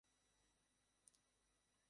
Spin বোতল খেলবো।